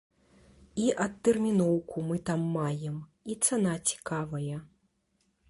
І адтэрміноўку мы там маем, і цана цікавая.